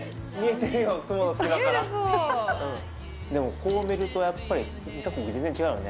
でもこう見るとやっぱり２か国全然違うよね。